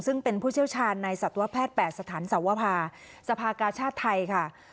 ซึ่งเป็นผู้เชี่ยวชาญในสัตวแพทย์๘สถานสวภาสภากาชาติไทยค่ะ